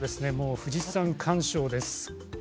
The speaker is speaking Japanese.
富士山鑑賞です。